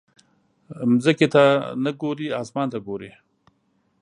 ځمکې ته نه ګورې، اسمان ته ګورې.